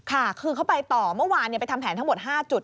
ค่ะคือเขาไปต่อเมื่อวานไปทำแผนทั้งหมด๕จุด